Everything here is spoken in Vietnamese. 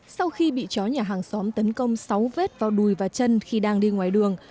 sau khi bị chó nhà hàng xóm tấn công sáu vết vào đùi và chân khi đang đi ngoài đường